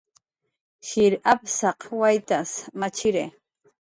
Jir apsaq waytas machiri